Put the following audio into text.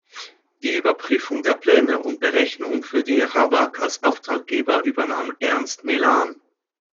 Die Überprüfung der Pläne und Berechnungen für die Ravag als Auftraggeber übernahm Ernst Melan.